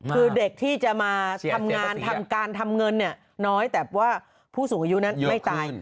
คือเด็กที่จะมาทำงานทำการทำเงินเนี่ยน้อยแต่ว่าผู้สูงอายุนั้นไม่ตาย